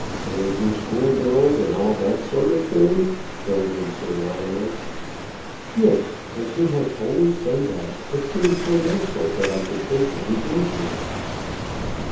"Paid your school bills, and all that sort of thing," filled in Sir Lionel. "Yes; as he has always done that, it seemed so natural that I should take what he gave me."